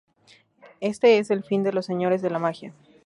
Este es el fin de los Señores de la Magia.